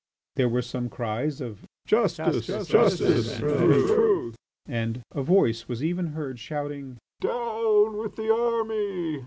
There were some cries of "Justice and truth!" and a voice was even heard shouting: "Down with the Army!"